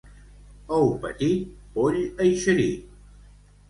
Ou petit, poll eixerit.